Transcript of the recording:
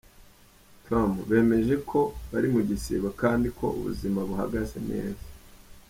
com, bemeje ko bari mu gisibo kandi ko ubuzima buhagaze neza.